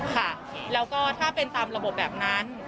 ค่ะแล้วก็ถ้าเป็นตามระบบแบบนั้น